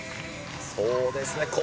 そうですね